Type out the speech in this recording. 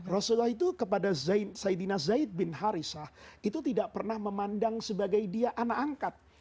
rasulullah itu kepada saidina zaid bin harisyah itu tidak pernah memandang sebagai dia anak angkat